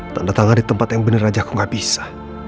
tanda tangan di tempat yang bener aja aku gak bisa